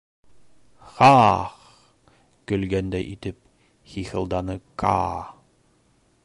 — Ха-а-ах-х, — көлгәндәй итеп хихылданы Каа.